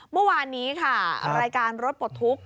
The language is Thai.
เมื่อวานนี้ค่ะรายการรถปลดทุกข์